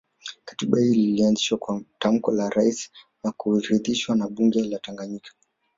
Katiba hii ilianzishwa kwa tamko la Rais na kuridhiwa na bunge la Tanganyika